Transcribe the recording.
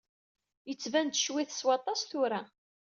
Yettban-d ccwi-t s waṭas tura.